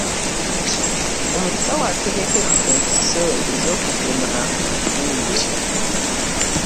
Omusawo ategeka empiso ez'okugema wuuyo.